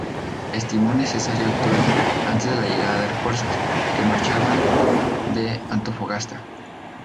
Estimo necesario actuar antes de la llegada de refuerzos, que marchaban de Antofagasta.